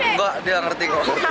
enggak dia ngerti kok